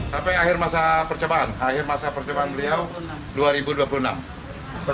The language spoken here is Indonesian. sampai akhir masa percobaan akhir masa percobaan beliau dua ribu dua puluh enam